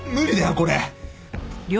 これ。